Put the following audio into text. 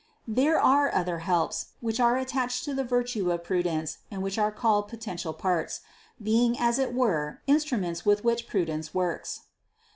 550. There are other helps, which are attached to the virtue of prudence and which are called potential parts, being as it were instruments with which prudence works.